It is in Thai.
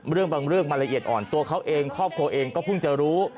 บางเรื่องมันละเอียดอ่อนตัวเขาเองครอบครัวเองก็เพิ่งจะรู้